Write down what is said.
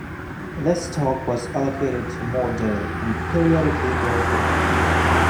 This stock was allocated to Mortdale and periodically rotated.